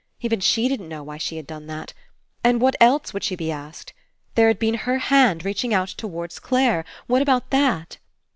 Even she didn't know why she had done that. And what else would she be asked? There had been her hand reaching out towards Clare. What about that?